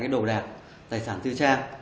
cái đồ đạc tài sản tư trang